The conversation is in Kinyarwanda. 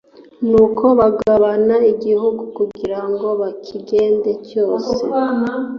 Nuko bagabana igihugu kugira ngo bakigende cyose